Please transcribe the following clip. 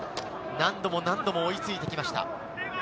何度も追いついてきました。